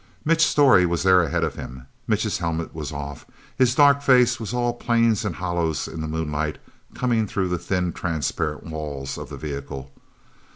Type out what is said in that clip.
Mitch Storey was there ahead of him. Mitch's helmet was off; his dark face was all planes and hollows in the moonlight coming through the thin, transparent walls of the vehicle.